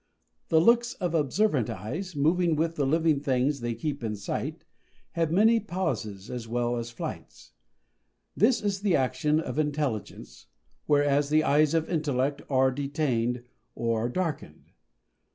The looks of observant eyes, moving with the living things they keep in sight, have many pauses as well as flights. This is the action of intelligence, whereas the eyes of intellect are detained or darkened.